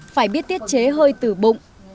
phải biết tiết chế hơi từ bụng